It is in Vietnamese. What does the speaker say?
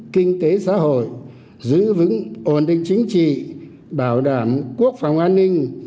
kinh tế xã hội giữ vững ổn định chính trị bảo đảm quốc phòng an ninh